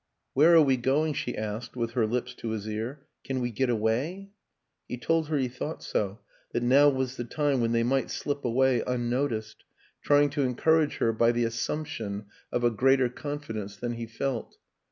" Where are we going?" she asked, with her lips to his ear. " Can we get away? " He told her he thought so, that now was the time when they might slip away unnoticed try ing to encourage her by the assumption of a 142 WILLIAM AN ENGLISHMAN greater confidence than he felt.